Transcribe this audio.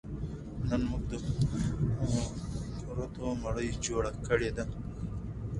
نن موږ د کورتو مړۍ جوړه کړې ده